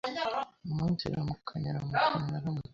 Umunsiramukanya uramukanya Waramutse